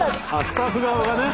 スタッフ側がね。